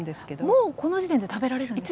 もうこの時点で食べられるんですね。